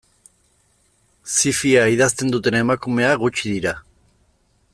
Zi-fia idazten duten emakumeak gutxi dira.